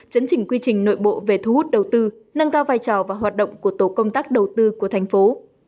chấn chỉnh quy trình nội bộ về thu hút đầu tư nâng cao vai trò và hoạt động của tổ công tác đầu tư của thành phố